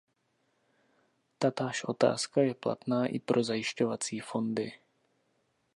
Tatáž otázka je platná i pro zajišťovací fondy.